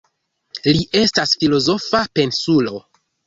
Li estas filozofa pensulo.